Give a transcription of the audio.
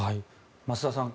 増田さん